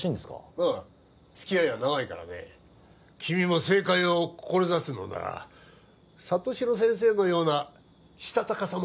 ああつきあいは長いからね君も政界を志すのなら里城先生のようなしたたかさも